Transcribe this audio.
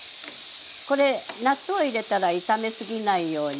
これ納豆入れたら炒め過ぎないように。